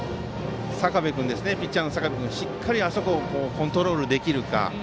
ピッチャーの坂部君しっかりあそこをコントロールできるか。